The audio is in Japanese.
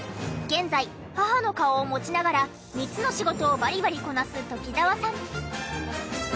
現在母の顔を持ちながら３つの仕事をバリバリこなす鴇澤さん。